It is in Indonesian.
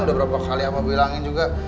udah berapa kali aku bilangin juga